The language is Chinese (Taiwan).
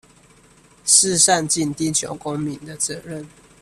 是善盡地球公民的責任